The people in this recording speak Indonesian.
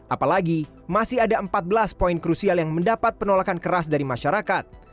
apalagi masih ada empat belas poin krusial yang mendapat penolakan keras dari masyarakat